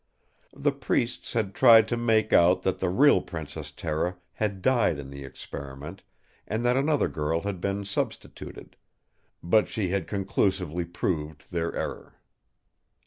The priests had tried to make out that the real Princess Tera had died in the experiment, and that another girl had been substituted; but she had conclusively proved their error.